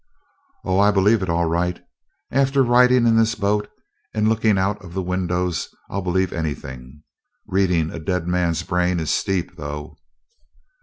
"Oh, I believe it, all right. After riding in this boat and looking out of the windows, I'll believe anything. Reading a dead man's brain is steep, though."